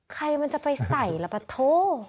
ใครมันจะไปใส่ล่ะปะโถ